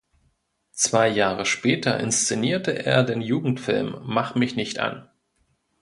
Zwei Jahre später inszenierte er den Jugendfilm "Mach mich nicht an!